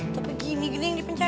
tetep gini gini yang dipencetan